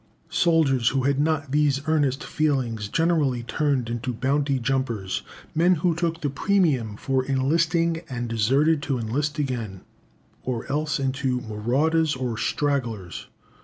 Soldiers who had not these earnest feelings generally turned into bounty jumpers men who took the premium for enlisting, and deserted to enlist again or else into marauders or stragglers.